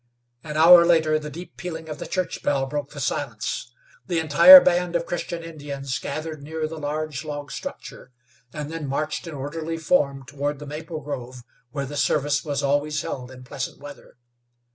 An hour later the deep pealing of the church bell broke the silence. The entire band of Christian Indians gathered near the large log structure, and then marched in orderly form toward the maple grove where the service was always held in pleasant weather.